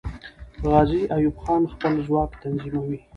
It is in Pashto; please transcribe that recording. غازي ایوب خان خپل ځواک تنظیموي.